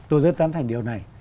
tôi rất sẵn thành điều này